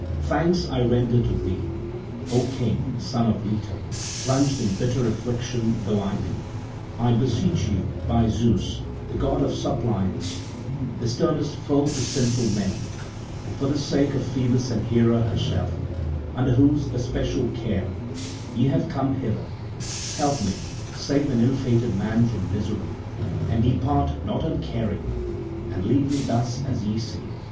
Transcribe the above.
Thanks I render to thee, O king, son of Leto, plunged in bitter affliction though I be. I beseech you by Zeus the god of suppliants, the sternest foe to sinful men, and for the sake of Phoebus and Hera herself, under whose especial care ye have come hither, help me, save an ill fated man from misery, and depart not uncaring and leaving me thus as ye see.